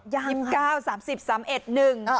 ยืบก้าวสามสิบสามเอ็ดนึง